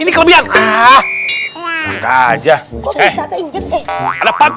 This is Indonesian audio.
ini kelebihan aja